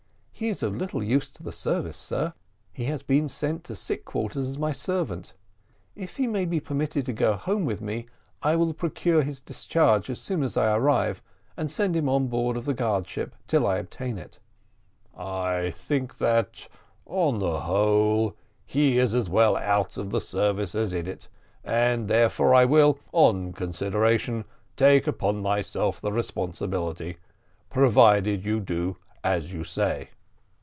"He is of little use to the service, sir; he has been sent to sick quarters as my servant: if he may be permitted to go home with me, I will procure his discharge as soon as I arrive, and send him on board the guard ship till I obtain it." "I think that, on the whole, he is as well out of the service as in it, and therefore I will, on consideration, take upon myself the responsibility, provided you do as you say."